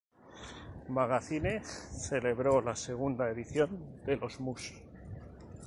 Magazine celebró la segunda edición de los Must!